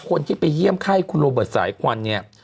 คนที่ไปเยี่ยมไข้คุณโรเบิร์ตสายควันเนี่ย